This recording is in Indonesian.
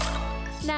kualitas yang baik